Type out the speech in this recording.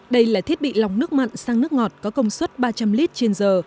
đây là thiết bị lọc nước mặn sang nước ngọt có công suất ba trăm linh lít trên giờ